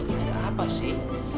ini ada apa sih